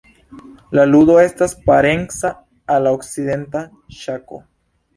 La ludo estas parenca al la okcidenta ŝako.